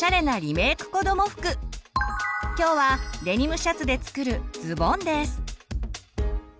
今日はデニムシャツで作る「ズボン」です。